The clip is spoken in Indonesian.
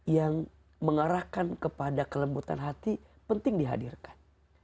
yang mengarahkan kepada kelembutan hati penting dihadirkan